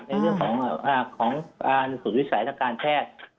ในเรื่องของสูตรวิสัยทางการแพทย์